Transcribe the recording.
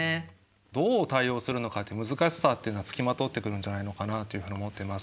どう対応するのかって難しさっていうのは付きまとってくるんじゃないのかなというふうに思ってます。